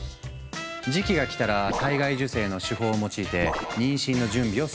時期が来たら体外受精の手法を用いて妊娠の準備を進めていく。